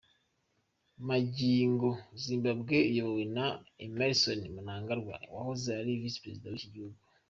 Magingo Zimbabwe iyobowe na Emmerson Mnangagwa wahoze ari visi Perezida w’ iki gihugu.